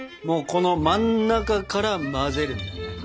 もうこの真ん中から混ぜるんだよね。